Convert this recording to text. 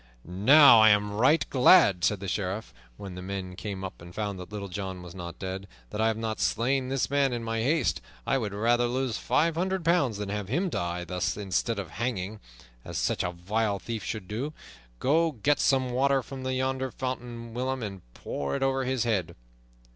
"Now, I am right glad," said the Sheriff, when the men came up and found that Little John was not dead, "that I have not slain this man in my haste! I would rather lose five hundred pounds than have him die thus instead of hanging, as such a vile thief should do. Go, get some water from yonder fountain, William, and pour it over his head."